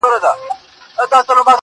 مسافرۍ کي دي ايره سولم راټول مي کړي څوک~